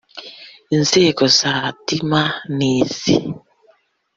inzego za dma ni izi